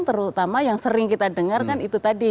terutama yang sering kita dengar kan itu tadi